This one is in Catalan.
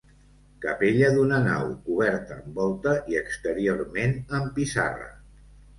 Capella d'una nau, coberta amb volta i exteriorment amb pissarra.